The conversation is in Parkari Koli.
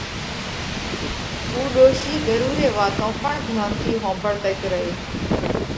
اُو ڏوشِي ڳرُو ري واتون پڻ ڌيونَ ٿِي ۿومڀۯتئِيت رئِي۔